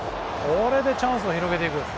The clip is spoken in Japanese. これでチャンスを広げていく。